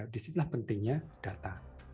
disitulah pentingnya data